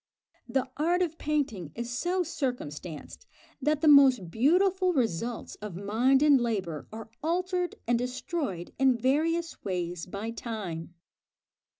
The art of painting is so circumstanced that the most beautiful results of mind and labour are altered and destroyed in various ways by time.